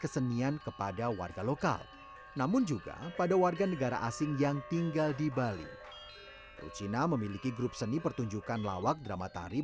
sempat diajak untuk ikut